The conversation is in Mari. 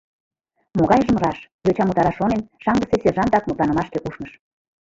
— Могайжым раш, — йочам утараш шонен, шаҥгысе сержантак мутланымашке ушныш.